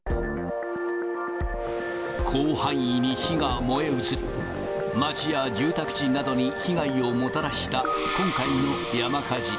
広範囲に火が燃え移り、街や住宅地などに被害をもたらした今回の山火事。